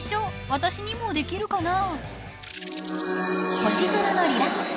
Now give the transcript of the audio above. ［私にもできるかな？］